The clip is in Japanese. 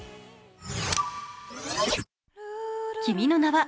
「君の名は」